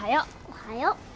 おはよう。